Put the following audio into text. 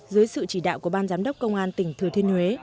dưới sự chỉ đạo của ban giám đốc công an tỉnh thừa thiên huế